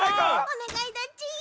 おねがいだち。